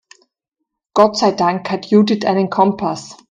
Gott sei Dank hat Judith einen Kompass.